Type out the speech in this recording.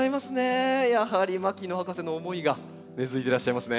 やはり牧野博士の思いが根づいてらっしゃいますね。